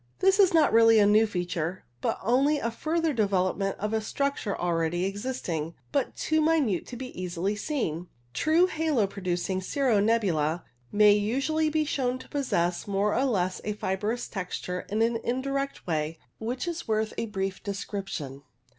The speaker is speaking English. This is not really a new feature, but only a further development of a structure already existing, but too minute to be easily seen. True halo pro ducing cirro nebula may usually be shown to possess more or less of a fibrous texture in an indirect way, which is worth a brief description.